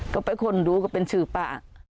ก็ไปค้นดูก็เป็นชื่อป้า